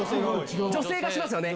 女性がしますよね